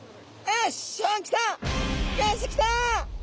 よしきた！